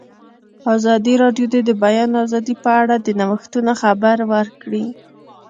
ازادي راډیو د د بیان آزادي په اړه د نوښتونو خبر ورکړی.